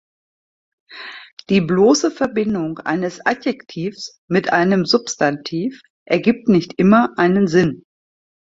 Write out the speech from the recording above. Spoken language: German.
Die bloße Verbindung eines Adjektivs mit einem Substantiv ergibt nicht immer einen Sinn.